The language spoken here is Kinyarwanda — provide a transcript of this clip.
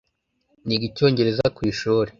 Niga Icyongereza ku ishuri.